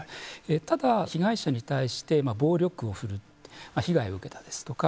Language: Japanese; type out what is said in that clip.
ただ、被害者に対して暴力を振るう被害を受けたですとか